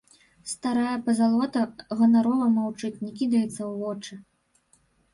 Старая пазалота ганарова маўчыць, не кідаецца ў вочы.